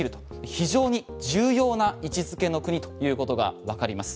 非常に重要な位置づけの国ということがわかります。